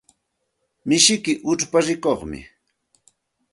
Mishiyki uchpa rikuqmi.